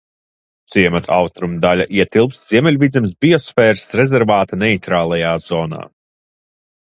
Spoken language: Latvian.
Ciemata austrumu daļa ietilpst Ziemeļvidzemes biosfēras rezervāta neitrālajā zonā.